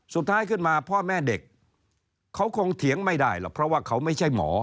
สุดท้ายขึ้นมาพ่อแม่เด็กเขาคงเถียงไม่ได้หรอกเพราะว่าเขาไม่ใช่หมอ